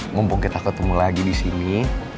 mumpung kita ketemu lagi disini